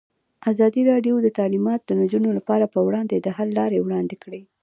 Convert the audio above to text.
ازادي راډیو د تعلیمات د نجونو لپاره پر وړاندې د حل لارې وړاندې کړي.